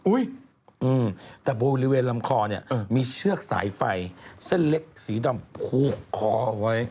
อุ๊ยแต่บริเวณลำคอมีเชือกสายไฟเส้นเล็กสีดำผูกคอไว้